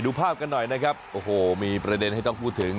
ภาพกันหน่อยนะครับโอ้โหมีประเด็นให้ต้องพูดถึง